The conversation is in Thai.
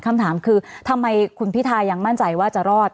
คำถามคือทำไมคุณพิทายังมั่นใจว่าจะรอด